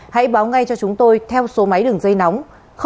hãy báo ngay cho chúng tôi theo số máy đường dây nóng